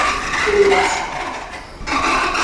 Coroaci